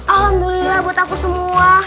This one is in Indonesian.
alhamdulillah buat aku semua